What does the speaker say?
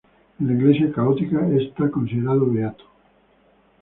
En la Iglesia católica es considerado beato.